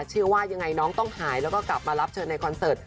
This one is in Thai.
เชื่อว่ายังไงน้องต้องหายแล้วก็กลับมารับเชิญในคอนเสิร์ต